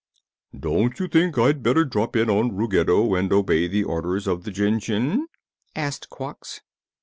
"Don't you think I'd better drop in on Ruggedo and obey the orders of the Jinjin?" asked Quox.